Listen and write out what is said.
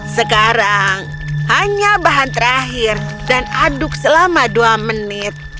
sekarang hanya bahan terakhir dan aduk selama dua menit